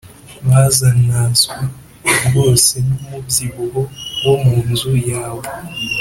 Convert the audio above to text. Bazahazwa rwose n’umubyibuho wo mu nzu yawe